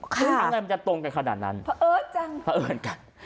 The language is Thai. ค่ะแล้วมันจะตรงกันขนาดนั้นพระเอิร์ตจังพระเอิร์ตกัน